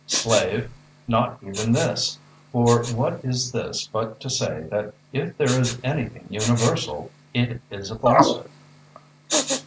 Slave! not even this—for what is this but to say that if there is anything universal it is falsehood?